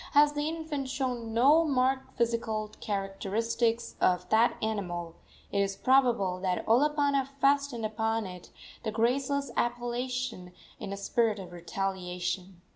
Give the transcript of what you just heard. As the infant showed no marked physical characteristics of that animal, it is probable that Olopana fastened upon it the graceless appellation in a spirit of retaliation.